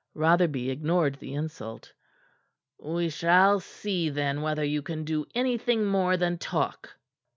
Rotherby ignored the insult. "We shall see, then, whether you can do anything more than talk."